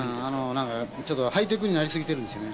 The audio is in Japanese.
なんかちょっとハイテクになり過ぎてるんですよね。